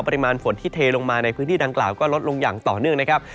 ปริมาณฝนที่เทลงมาในพื้นที่ดังกล่าวก็ลดลงอย่างต่อเนื่องนะครับ